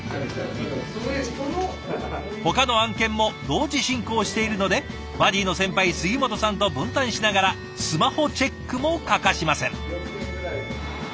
ほかの案件も同時進行しているのでバディの先輩杉本さんと分担しながらスマホチェックも欠かしません。